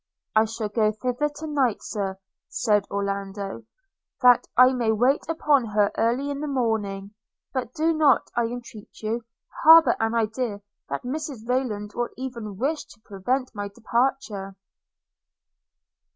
– 'I shall go thither to night, Sir,' said Orlando, 'that I may wait upon her early in the morning; but do not, I entreat you, harbour an idea that Mrs Rayland will even wish to prevent my departure.'